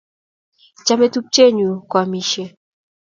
Chamei tupche nyu koamisyei